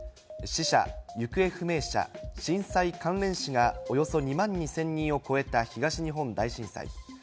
死者・行方不明者、震災関連死がおよそ２万２０００人を超えた東日本大震災。